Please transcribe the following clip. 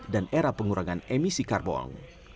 dan era pengurangan emisi karbon